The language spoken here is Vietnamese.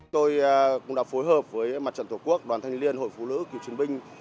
tôi cũng đã phối hợp với mặt trận tổ quốc đoàn thanh liên hội phụ nữ kỳ chính binh